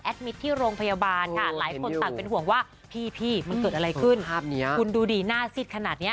มิตรที่โรงพยาบาลค่ะหลายคนต่างเป็นห่วงว่าพี่มันเกิดอะไรขึ้นภาพนี้คุณดูดิหน้าซิดขนาดเนี้ย